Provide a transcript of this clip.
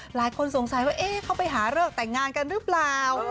หลายคนสงสัยว่าเขาไปหาเลิกแต่งงานกันหรือเปล่า